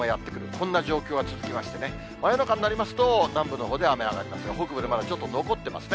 こんな状況が続きましてね、真夜中になりますと、南部のほうで雨上がりますが、北部でまだちょっと残ってますね。